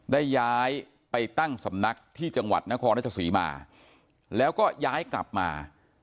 ได้ย้ายไปตั้งสำนักที่จังหวัดนครราชสีมาแล้วก็ย้ายกลับมา